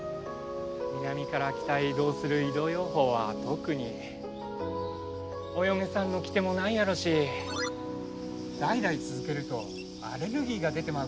南から北へ移動する移動養蜂は特にお嫁さんの来手もないやろし代々続けるとアレルギーが出てま